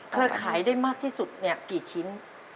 เคยขายได้มากที่สุดเนี่ยกี่ชิ้น